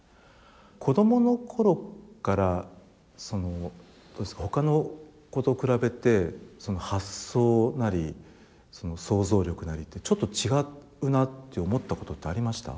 子供の頃からどうですか他の子と比べて発想なり想像力なりってちょっと違うなって思ったことってありました？